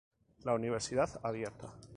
La Universidad Abierta.